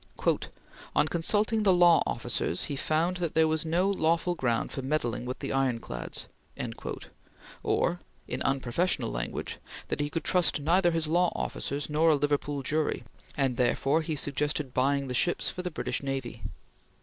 "On consulting the law officers he found that there was no lawful ground for meddling with the ironclads," or, in unprofessional language, that he could trust neither his law officers nor a Liverpool jury; and therefore he suggested buying the ships for the British Navy.